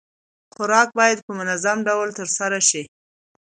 خوراک بايد په منظم ډول ترسره شي.